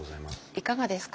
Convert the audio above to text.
いかがですか？